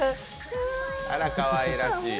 あら、かわいらしい。